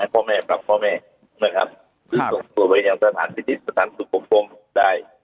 พ่อแม่ปรับพ่อแม่นะครับส่งตัวไว้อย่างสถานทฤทธิสถานสุขกรมได้